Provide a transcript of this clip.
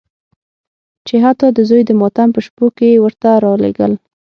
چې حتی د زوی د ماتم په شپو کې یې ورته رالېږل.